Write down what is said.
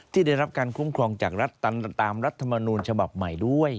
ที่ได้รับการคุ้มครองจากรัฐตามรัฐมนูลฉบับใหม่ด้วย